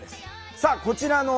さあこちらの小説